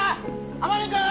天海君！